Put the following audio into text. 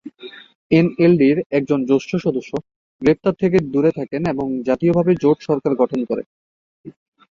এনএলডি’র একদল জ্যেষ্ঠ সদস্য গ্রেফতার থেকে দূরে থাকেন ও জাতীয়ভাবে জোট সরকার গঠন করে।